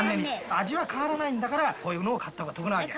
味は変わらないんだから、こういうのを買ったほうが得なわけ。